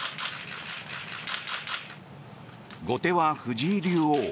後手は藤井竜王。